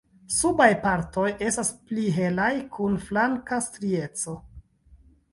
Subaj partoj estas pli helaj kun flanka strieco.